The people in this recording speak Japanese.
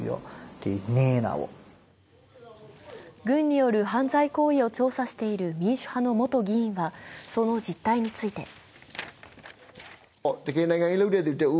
軍による犯罪行為を調査している民主派の元議員はその実態について